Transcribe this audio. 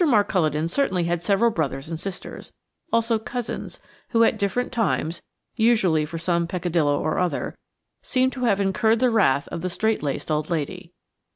Mark Culledon certainly had several brothers and sisters, also cousins, who at different times–usually for some peccadillo or other–seemed to have incurred the wrath of the strait laced old lady.